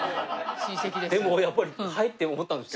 でもやっぱり入って思ったんですけど。